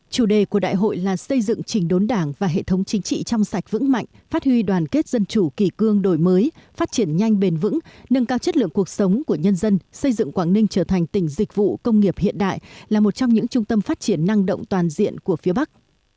chủ đề của đại hội là xây dựng trình đốn đảng và hệ thống chính trị trong sạch vững mạnh phát huy đoàn kết dân chủ kỳ cương đổi mới phát triển nhanh bền vững nâng cao chất lượng cuộc sống của nhân dân xây dựng quảng ninh trở thành tỉnh dịch vụ công nghiệp hiện đại là một trong những trung tâm phát triển năng động toàn diện của phía bắc